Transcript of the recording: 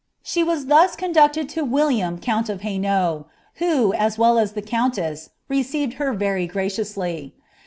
She was thus (onducted to William count of Hainauli, who, as well as the countess, ifcrtvrd her very graciously.